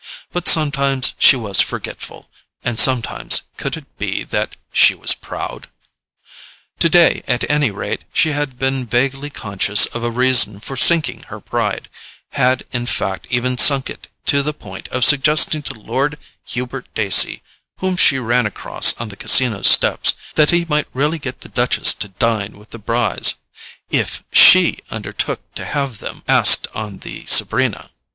But sometimes she was forgetful—and sometimes, could it be that she was proud? Today, at any rate, she had been vaguely conscious of a reason for sinking her pride, had in fact even sunk it to the point of suggesting to Lord Hubert Dacey, whom she ran across on the Casino steps, that he might really get the Duchess to dine with the Brys, if SHE undertook to have them asked on the Sabrina.